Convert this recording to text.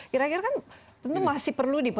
kira kira kan tentu masih perlu diperha